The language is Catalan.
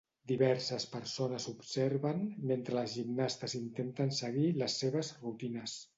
diverses persones observen mentre les gimnastes intenten seguir les seves rutines.